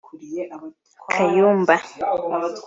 Kayumba